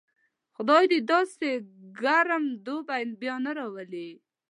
خدای دې داسې ګرم دوبی بیا نه راولي.